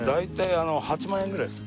１本が８万円ぐらいです。